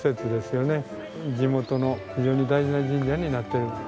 地元の非常に大事な神社になっています。